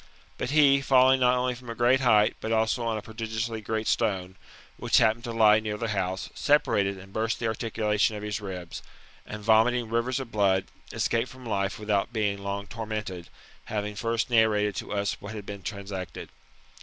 But he, falling not only from a great height, but also on a prodigiously great stone, which happened to lie near the house, separated and burst the articulation of his ribs, and, vomiting rivers of blood, escaped from life without being long tormented, having first narrated to us what had been transacted.